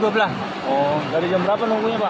dari jam berapa nunggunya pak